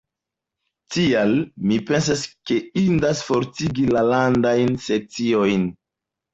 Tial, mi pensas ke indas fortigi la landajn sekciojn.